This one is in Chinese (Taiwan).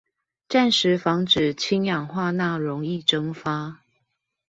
暫時防止氫氧化鈉溶液蒸發